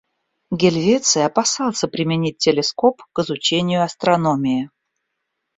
Гельвеций опасался применить телескоп к изучению астрономии.